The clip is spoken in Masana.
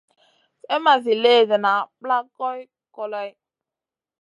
Slèh ma zi léhdéna plak goy koloy.